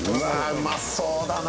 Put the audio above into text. うまそうだな。